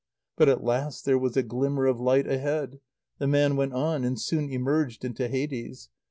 But at last there was a glimmer of light a head. The man went on, and soon emerged into Hades.